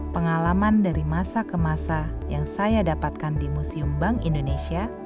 pengalaman dari masa ke masa yang saya dapatkan di museum bank indonesia